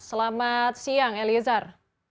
selamat siang eliazar